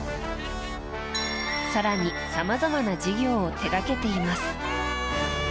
更に、さまざまな事業を手掛けています。